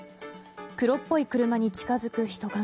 黒っぽい車に近づく人影。